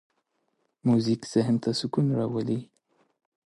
موزیک ذهن ته سکون راولي.